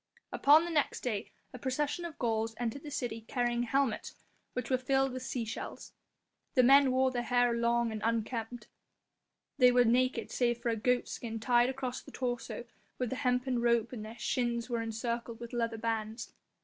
Upon the next day a procession of Gauls entered the city carrying helmets which were filled with sea shells. The men wore their hair long and unkempt, they were naked save for a goatskin tied across the torso with a hempen rope and their shins were encircled with leather bands.